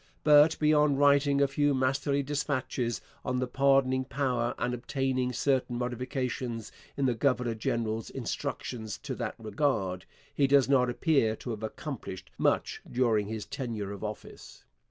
But, beyond writing a few masterly dispatches on the pardoning power and obtaining certain modifications in the governor general's instructions in that regard, he does not appear to have accomplished much during his tenure of office.